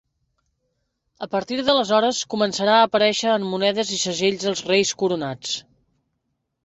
A partir d'aleshores començarà a aparèixer en monedes i segells els reis coronats.